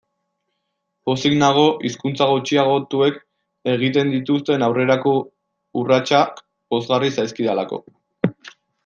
Pozik nago hizkuntza gutxiagotuek egiten dituzten aurrerako urratsak pozgarri zaizkidalako.